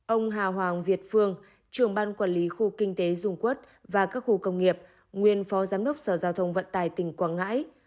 năm ông hà hoàng việt phương trưởng ban quản lý khu kinh tế dung quốc và các khu công nghiệp nguyên phó giám đốc sở giao thông vận tài tỉnh quảng ngãi